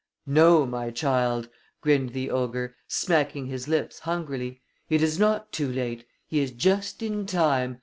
"No, my child," grinned the ogre, smacking his lips hungrily. "It is not too late. He is just in time.